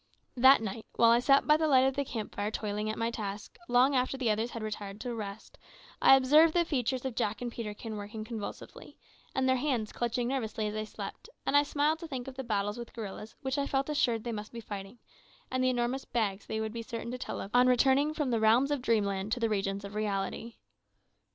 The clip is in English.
That night, while I sat by the light of the camp fire toiling at my task, long after the others had retired to rest, I observed the features of Jack and Peterkin working convulsively, and their hands clutching nervously as they slept, and I smiled to think of the battles with gorillas which I felt assured they must be fighting, and the enormous "bags" they would be certain to tell of on returning from the realms of dreamland to the regions of reality.